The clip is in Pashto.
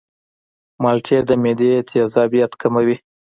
مالټې د معدې تیزابیت کموي.